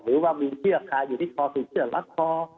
หรือว่ามีเชื่อค้าอยู่ทร์ถูกเชื่อรักพอ